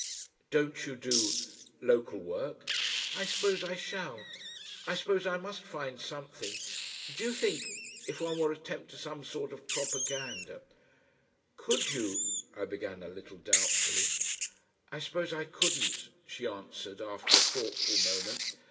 "Don't you do local work?" "I suppose I shall. I suppose I must find something. Do you think if one were to attempt some sort of propaganda?" "Could you ?" I began a little doubtfully. "I suppose I couldn't," she answered, after a thoughtful moment.